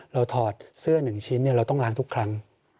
ถอดเสื้อ๑ชิ้นเราต้องล้างทุกครั้ง